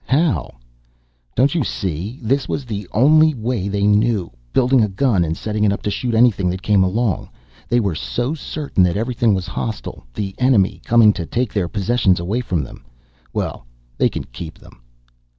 "How?" "Don't you see? This was the only way they knew, building a gun and setting it up to shoot anything that came along. They were so certain that everything was hostile, the enemy, coming to take their possessions away from them. Well, they can keep them."